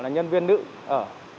nhân viên nữ ở